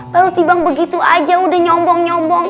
lalu tibang begitu aja udah nyombong nyombong